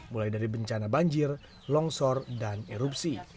mulai dari bencana banjir longsor dan erupsi